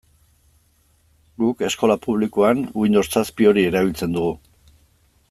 Guk, eskola publikoan, Windows zazpi hori erabiltzen dugu.